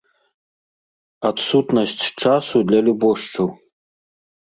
Адсутнасць часу для любошчаў.